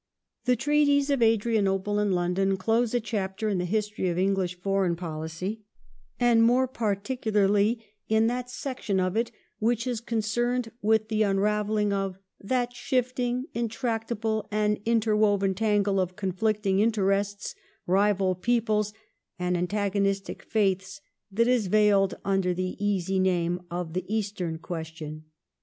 The Treaties of Adrianople and London close a chapter in the history of English foreign policy, and more particularly in that section of it which is concerned with the unravelling of " that shifting, intractable, and interwoven tangle of conflicting interests, rival peoples, and antagonistic faiths that is veiled under the easy name of the Eastern question